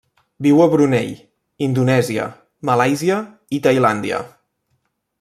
Viu a Brunei, Indonèsia, Malàisia i Tailàndia.